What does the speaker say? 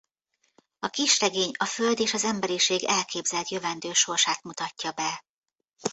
A kisregény a Föld és az emberiség elképzelt jövendő sorsát mutatja be.